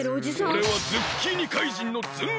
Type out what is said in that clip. おれはズッキーニ怪人のええっ！？